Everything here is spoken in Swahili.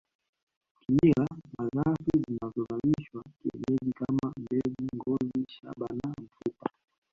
Kimila malighafi zinazozalishwa kienyeji kama mbegu ngozi shaba na mfupa